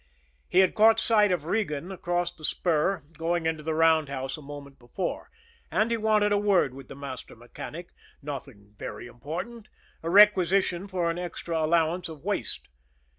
He had caught sight of Regan across the spur going into the roundhouse a moment before, and he wanted a word with the master mechanic nothing very important a requisition for an extra allowance of waste.